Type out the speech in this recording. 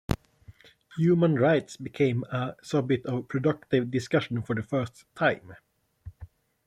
Human rights became a subject of productive discussion for the first time.